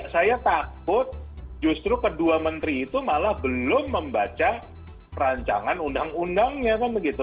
saya takut justru kedua menteri itu malah belum membaca rancangan undang undangnya kan begitu